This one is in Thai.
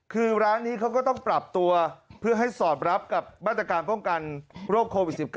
คือร้านนี้เขาก็ต้องปรับตัวเพื่อให้สอดรับกับมาตรการป้องกันโรคโควิด๑๙